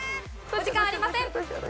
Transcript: お時間ありません。